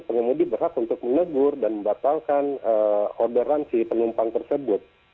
pengemudi berhak untuk menegur dan membatalkan orderan si penumpang tersebut